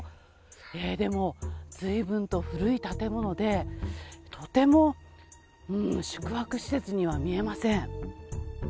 えー、でもずいぶんと古い建物で、とても宿泊施設には見えません。